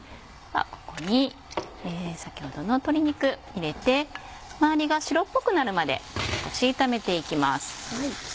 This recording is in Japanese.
ここに先程の鶏肉入れて周りが白っぽくなるまで炒めていきます。